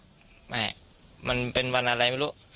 ผิดครับมันเป็นวันอะไรไม่รู้